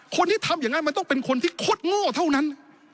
คนที่ทำอย่างนั้นมันต้องเป็นคนที่คดโง่เท่านั้น